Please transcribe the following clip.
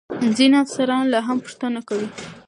ځینې افسران لا هم پوښتنه کوي.